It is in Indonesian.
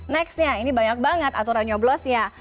nextnya ini banyak banget aturan nyoblosnya